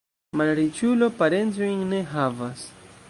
Malriĉulo parencojn ne havas.